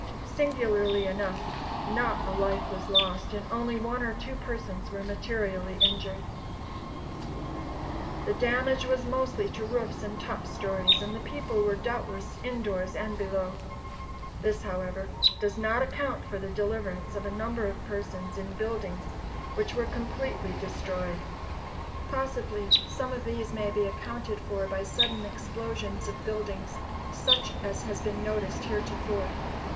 Singularly enough, not a life was lost, and only one or two persons were materially injured. [Illustration: CORNER WALL AND FRONT STREETS, JEFFERSONVILLE.] The damage was mostly to roofs and top stories, and the people were doubtless indoors and below. This, however, does not account for the deliverance of a number of persons in buildings which were completely destroyed. Possibly some of these may be accounted for by sudden explosions of buildings, such as has been noticed heretofore.